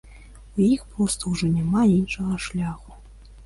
У іх проста ўжо няма іншага шляху.